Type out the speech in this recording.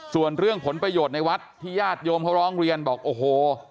ส่วนเรื่องผลประโยชน์ในวัดที่ญาติโยมเขาร้องเรียนบอกโอ้โห